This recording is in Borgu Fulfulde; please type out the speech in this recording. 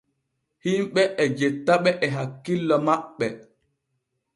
Himɓe e jettaɓe e hakkillo maɓɓe.